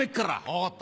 分かった。